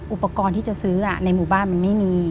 อุปกรณ์ที่จะซื้อในหมู่บ้านมันไม่มี